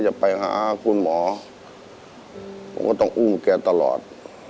จะไปหาคุณหมอผมก็ต้องอุ้มแกตลอด